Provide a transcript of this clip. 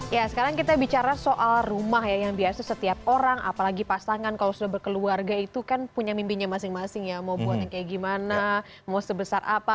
ya sekarang kita bicara soal rumah ya yang biasa setiap orang apalagi pasangan kalau sudah berkeluarga itu kan punya mimpinya masing masing ya mau buat yang kayak gimana mau sebesar apa